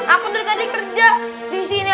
aku dari tadi kerja di sini